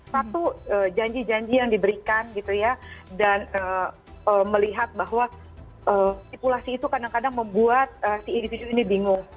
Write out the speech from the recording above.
satu janji janji yang diberikan gitu ya dan melihat bahwa sipulasi itu kadang kadang membuat si individu ini bingung